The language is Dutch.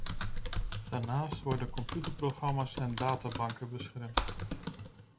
Daarnaast worden computerprogramma's en databanken beschermd.